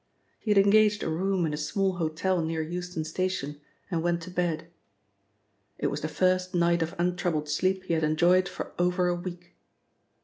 He had engaged a room in a small hotel near Euston Station, and went to bed. It was the first night of untroubled sleep he had enjoyed for over a week.